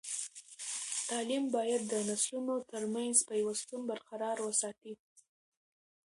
تعلیم باید د نسلونو ترمنځ پیوستون برقرار وساتي.